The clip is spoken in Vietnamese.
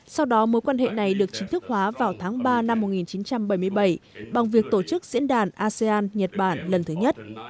sau đó mối quan hệ này được chính thức hóa vào tháng ba năm một nghìn chín trăm bảy mươi bảy bằng việc tổ chức diễn đàn asean nhật bản lần thứ nhất